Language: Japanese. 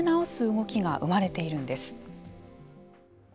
動きが生まれているんです。